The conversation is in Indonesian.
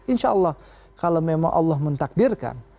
insya allah kalau memang allah mentakdirkan